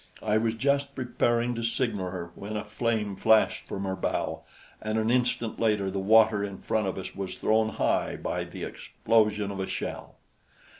I was just preparing to signal her, when a flame flashed from her bows, and an instant later the water in front of us was thrown high by the explosion of a shell.